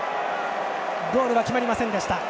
ゴールは決まりませんでした。